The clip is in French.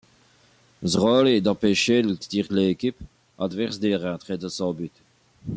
Son rôle est d’empêcher les tirs de l'équipe adverse de rentrer dans son but.